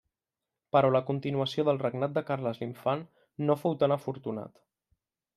Però la continuació del regnat de Carles l'Infant no fou tan afortunat.